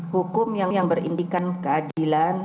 hukum yang berindikan keadilan